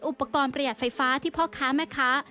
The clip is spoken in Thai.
อุปกรณ์ประหยัดไฟฟ้าที่พ่อค้าแม่ค้า